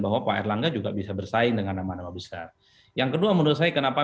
bahwa pak erlangga juga bisa bersaing dengan nama nama besar yang kedua menurut saya kenapa